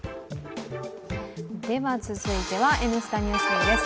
続いては「Ｎスタ・ＮＥＷＳＤＩＧ」です。